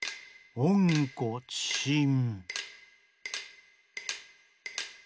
「おんこちしん」。